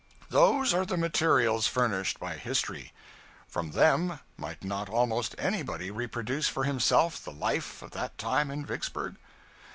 Those are the materials furnished by history. From them might not almost anybody reproduce for himself the life of that time in Vicksburg?